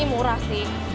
ini murah sih